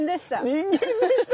人間でした。